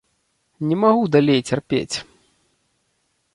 Не магу далей цярпець.